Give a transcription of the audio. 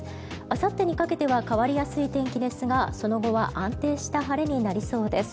あさってにかけては変わりやすい天気ですがその後は安定した晴れになりそうです。